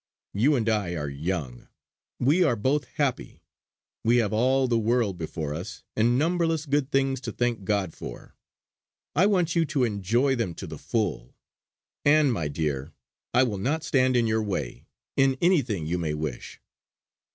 You and I are young; we are both happy; we have all the world before us, and numberless good things to thank God for. I want you to enjoy them to the full; and, my dear one, I will not stand in your way in anything which you may wish.